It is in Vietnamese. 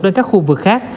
lên các khu vực khác